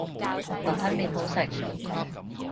雲吞麵好食